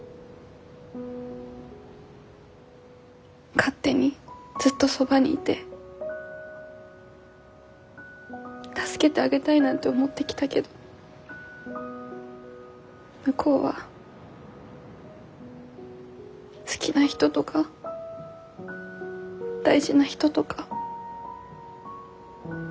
勝手にずっとそばにいて助けてあげたいなんて思ってきたけど向こうは好きな人とか大事な人とか本当にいらないと思ってるのかもって。